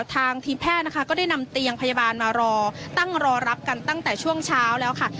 ทางทีมแพทย์นะคะก็ได้นำเตียงพยาบาลมารอตั้งรอรับกันตั้งแต่ช่วงเช้าแล้วค่ะ